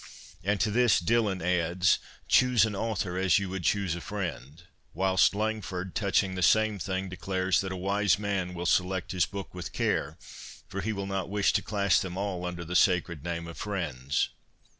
And to this Dillon adds, ' Choose an author as you would choose a friend '; whilst Langford, touching the same theme, declares that ' a wise man will select his book with care, for he will not wish to class them all under the sacred name of friends.'